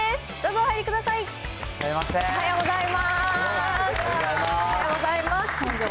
おはようございます。